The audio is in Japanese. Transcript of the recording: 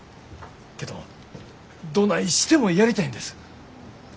けどどないしてもやりたいんです。